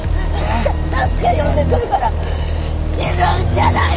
助け呼んでくるから死ぬんじゃないぞーっ！